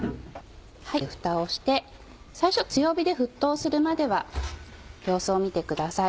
ふたをして最初強火で沸騰するまでは様子を見てください。